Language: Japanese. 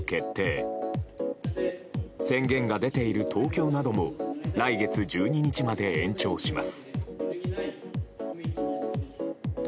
宣言が出ている東京なども来月１２日まで延長します。